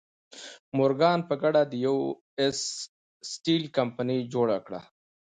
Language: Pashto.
مورګان په ګډه د یو ایس سټیل کمپنۍ جوړه کړه.